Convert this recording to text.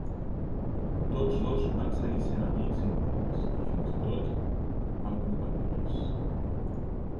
Tot dos van seguir sent amics íntims i fins i tot van compartir pis.